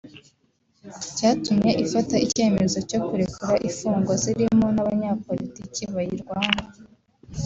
cyatumye ifata icyemezo cyo kurekura imfungwa zirimo n’abanyapolitiki bayirwanya